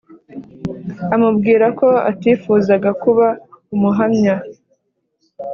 amubwira ko atifuzaga kuba Umuhamya.